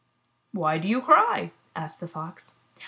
Why do you cry?" asked the Fox.